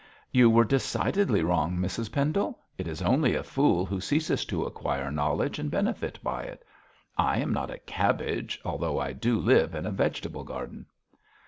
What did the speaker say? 'You were decidedly wrong, Mrs Pendle. It is only a fool who ceases to acquire knowledge and benefit by it. I am not a cabbage although I do live in a vegetable garden.'